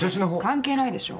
関係ないでしょ